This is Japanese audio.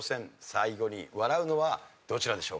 最後に笑うのはどちらでしょうか？